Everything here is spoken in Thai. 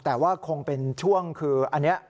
แต่ว่าคงเป็นช่วงคืออันนี้